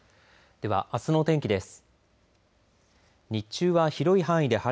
では、あすのお天気です。